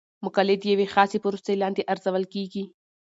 مقالې د یوې خاصې پروسې لاندې ارزول کیږي.